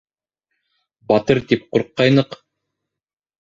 Батыр тип ҡурҡҡайныҡ.